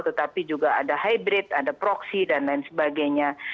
tetapi juga ada hybrid ada proxy dan lain sebagainya